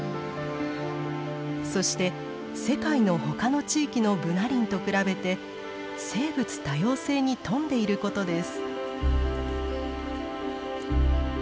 そして世界の他の地域のブナ林と比べて生物多様性に富んでいることです。